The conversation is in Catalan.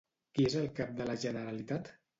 Qui és el cap de la Generalitat?